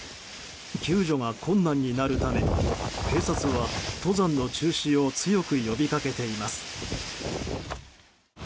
救助が困難になるため、警察は登山の中止を強く呼びかけています。